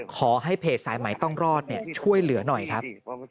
ขอให้เพจสายใหม่ต้องรอดช่วยเหลือหน่อยครับ